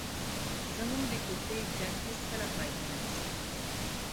زموږ د کوڅې جنګ هېڅکله پای ته نه رسېږي.